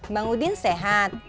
bang udin sehat